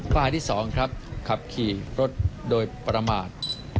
ข้อที่๒ครับขับขี่รถโดยประมาท